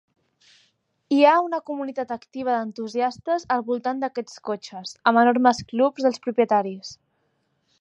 Hi ha una comunitat activa d'entusiastes al voltant d'aquests cotxes, amb enormes clubs dels propietaris.